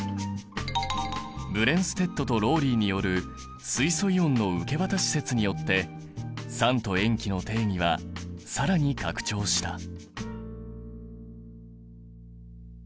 ブレンステッドとローリーによる水素イオンの受け渡し説によって酸と塩基の定義は更に拡張した。